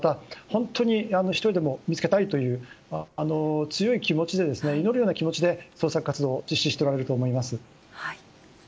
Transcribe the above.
本当に１人でも見つけたいという強い気持ちで祈るような気持ちで捜索活動を実施しておられると思います。